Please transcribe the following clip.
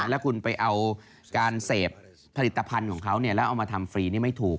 แล้วคุณไปเอาการเสพผลิตภัณฑ์ของเขาแล้วเอามาทำฟรีนี่ไม่ถูก